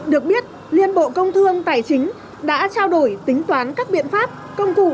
được biết liên bộ công thương tài chính đã trao đổi tính toán các biện pháp công cụ